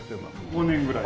５年ぐらい。